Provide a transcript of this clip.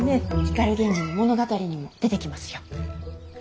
光源氏の物語にも出てきますよ。